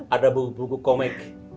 ada buku buku komik